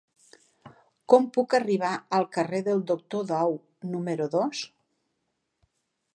Com puc arribar al carrer del Doctor Dou número dos?